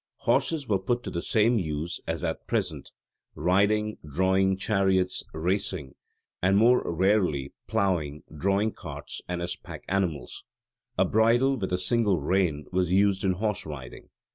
Horses were put to the same uses as at present: riding, drawing chariots, racing; and more rarely ploughing, drawing carts, and as pack animals. A bridle with a single rein was used in horse riding.